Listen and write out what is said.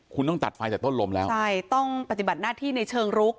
คุณต้องตัดไฟจากต้นลมแล้วใช่ต้องปฏิบัติหน้าที่ในเชิงรุก